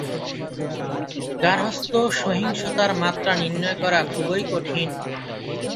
গার্হস্থ্য সহিংসতার মাত্রা নির্ণয় করা খুবই কঠিন।